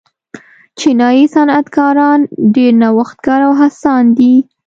چینايي صنعتکاران ډېر نوښتګر او هڅاند دي.